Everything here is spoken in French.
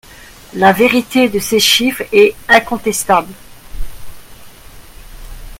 La vérité de ces chiffres est incontestable.